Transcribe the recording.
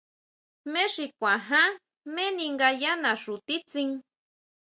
¿Jmé xi kuan ján, jméni nga yá naxu titsín?